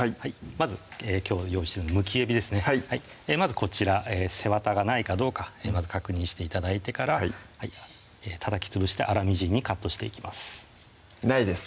まずきょう用意してるのはむきえびですねまずこちら背わたがないかどうかまず確認して頂いてからたたきつぶして粗みじんにカットしていきますないです